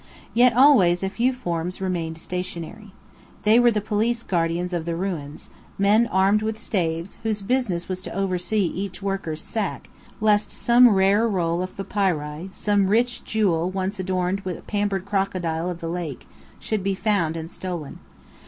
Yet always a few forms remained stationary. They were police guardians of the ruins, men armed with staves, whose business was to oversee each worker's sack, lest some rare roll of papyri, some rich jewel which once adorned a pampered crocodile of the lake, should be found and stolen.